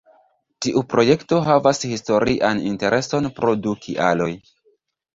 Tiu projekto havas historian intereson pro du kialoj.